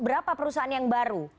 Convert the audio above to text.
berapa perusahaan yang baru